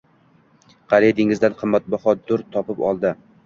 Qariya dengizdan qimmatbaho dur topib oldi